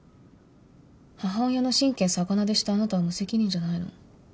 母親の神経逆なでしたあなたは無責任じゃないの？